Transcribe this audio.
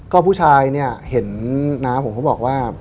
ก็ผู้ชายเนี่ยเห็นน้าผมเขาบอกว่า